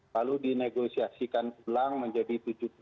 lalu dinegosiasikan ulang menjadi tujuh puluh